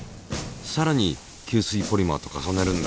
さらに吸水ポリマーと重ねるんだ。